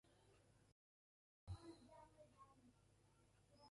যা, গাধা।